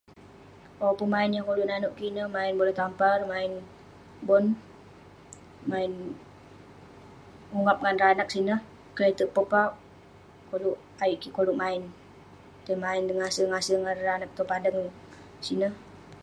Pemain yak koluk nanouk kik ineh ne, main bola tampar, main bon, main ungap ngan ireh anak sineh. Kelete'erk pepauk, koluk- ayuk kik koluk main. Tei main ngase-ngase ngan ireh anak tong padang sineh.